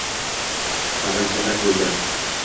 Tag‘in chapak bo‘ldi.